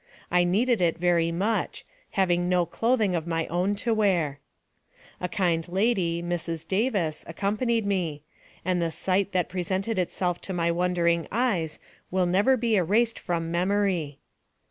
I needed it very much, having no clothing of my own to wear. A kind lady, Mrs. Davis, accompanied me, and the sight that presented itself to my wondering eyes will never be erased from memory.